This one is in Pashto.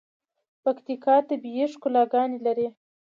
پکیتکا طبیعی ښکلاګاني لري.